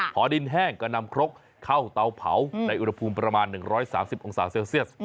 พอดินแห้งก็นำครกเข้าเตาเผาในอุณหภูมิประมาณ๑๓๐องศาเซลเซียส